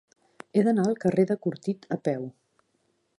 He d'anar al carrer de Cortit a peu.